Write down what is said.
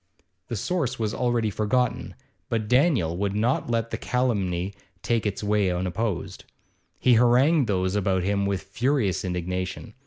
The source was already forgotten, but Daniel would not let the calumny take its way unopposed. He harangued those about him with furious indignation.